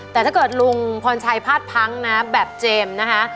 แต่ถ้าเกิดลุงพรชัยพลาดพังนะแบบเจมส์นะคะ